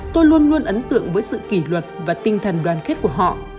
tôi luôn luôn ấn tượng với sự kỷ luật và tinh thần đoàn kết của họ